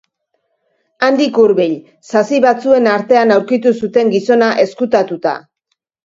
Handik hurbil, sasi batzuen artean aurkitu zuten gizona ezkutatuta.